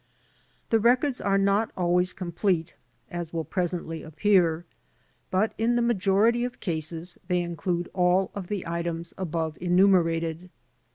The records are not always complete, as will presently appear, but in the majority of cases they include all of the items above enumerated.